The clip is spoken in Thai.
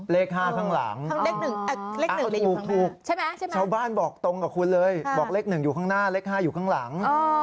เลข๕ข้างหลังเลข๑ถูกใช่ไหมชาวบ้านบอกตรงกับคุณเลยบอกเลข๑อยู่ข้างหน้าเลข๕อยู่ข้างหลัง